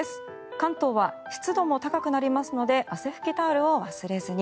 関東は湿度も高くなりますので汗拭きタオルを忘れずに。